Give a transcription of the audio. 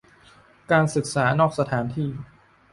การศึกษานอกสถานที่